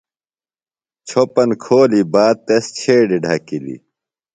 چھوۡپن کھولی باد تس چھیڈیۡ ڈھکِلیۡ۔